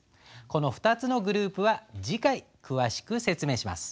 この２つのグループは次回詳しく説明します。